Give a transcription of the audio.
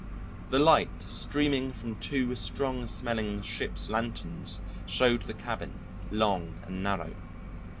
The light streaming from two strong smelling ship's lanterns showed the cabin, long and narrow.